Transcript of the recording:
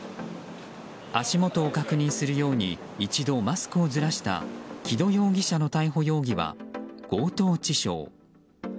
足元を確認するように一度マスクをずらした木戸容疑者の逮捕容疑は強盗致傷。